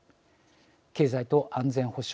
経済と安全保障